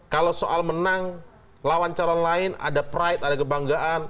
kalau soal menang lawan calon lain ada pride ada kebanggaan